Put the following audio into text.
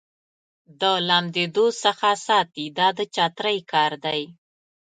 د لمدېدو څخه ساتي دا د چترۍ کار دی.